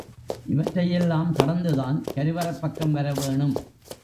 இவற்றை யெல்லாம்கடந்துதான் கருவறைப் பக்கம் வரவேணும்.